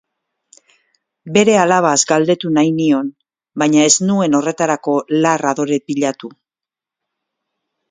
Bere alabaz galdetu nahi nion, baina ez nuen horretarako lar adore pilatu.